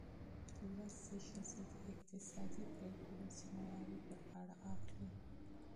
زده کړه ښځه د اقتصادي پریکړو مسؤلیت پر غاړه اخلي.